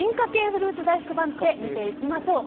フルーツ大福番付見ていきましょう。